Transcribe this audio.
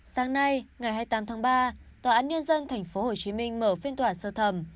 sáng nay ngày hai mươi tám tháng ba tòa án nhân dân tp hcm mở phiên tòa sơ thẩm